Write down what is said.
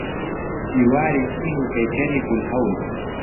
دیواری چین و پەیکەری بولهەول.